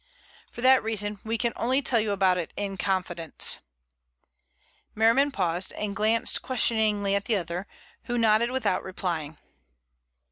"For that reason we can only tell you about it in confidence." Merriman paused and glanced questioningly at the other, who nodded without replying.